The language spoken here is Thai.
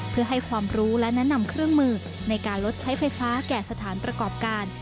เพื่อให้ความรู้และแนะนำเครื่องมือในการลดใช้ไฟฟ้าแก่สถานประกอบการ